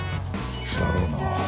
だろうな。